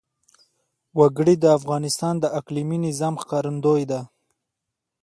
وګړي د افغانستان د اقلیمي نظام ښکارندوی ده.